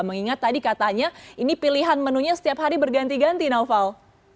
mengingat tadi katanya ini pilihan menunya setiap hari berganti ganti naufal